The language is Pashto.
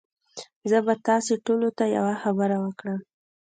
زه به تاسي ټوله ته یوه خبره وکړم